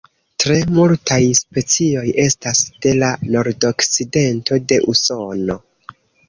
Tre multaj specioj estas de la nordokcidento de Usono.